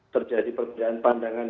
terjadi perbedaan pandangan